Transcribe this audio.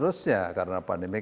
terusnya karena pandemi